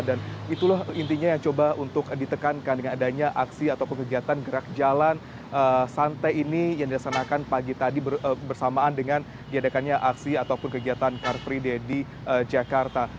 dan itulah intinya yang coba untuk ditekankan dengan adanya aksi atau kegiatan gerak jalan santai ini yang dilaksanakan pagi tadi bersamaan dengan diadakannya aksi atau kegiatan car free day di jakarta